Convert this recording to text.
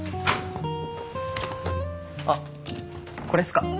あっこれっすか？